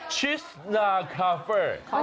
ชิสนาคาเฟ่